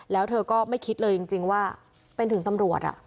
แล้วเธอก็ไม่คิดเลยจริงว่าเป็นถึงตำรวจ